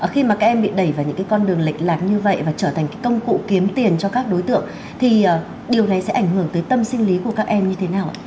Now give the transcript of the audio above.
khi mà các em bị đẩy vào những cái con đường lệch lạc như vậy và trở thành công cụ kiếm tiền cho các đối tượng thì điều này sẽ ảnh hưởng tới tâm sinh lý của các em như thế nào ạ